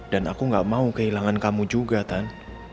dan aku gak mau kehilangan kamu juga tan